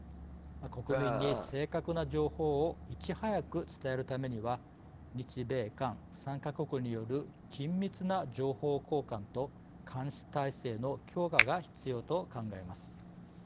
国民に正確な情報をいち早く伝えるためには日米韓３か国による緊密な情報交換と監視体制の強化が必要と考えます。